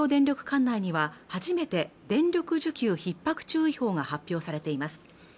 管内には初めて電力需給ひっ迫注意報が発表されています